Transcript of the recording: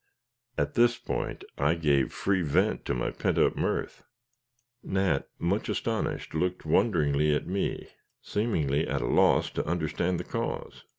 At this point I gave free vent to my pent up mirth. Nat, much astonished, looked wonderingly at me, seemingly at a loss to understand the cause.